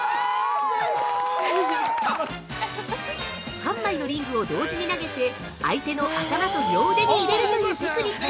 ３枚のリングを同時に投げて相手の頭と両腕に入れるというテクニック。